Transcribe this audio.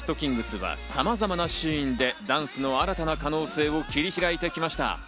ｔｋｉｎｇｚはさまざまなシーンでダンスの新たな可能性を切り開いてきました。